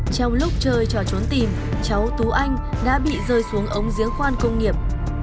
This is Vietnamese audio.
trong lúc chơi trò trốn tìm cháu tú anh đã bị rơi xuống ống giếng khoan công nghiệp